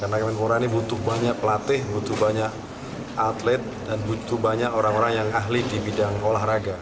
karena kementerian pemuda ini butuh banyak pelatih butuh banyak atlet dan butuh banyak orang orang yang ahli di bidang olahraga